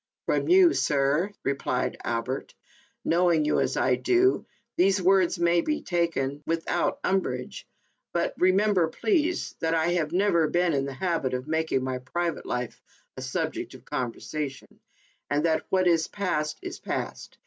" From you, sir," replied Albert, " knowing you as I do, these words may be taken without um brage ; but, remember, please, that I have never been in the habit of making my private life a subject of conversation, and that what is past is past.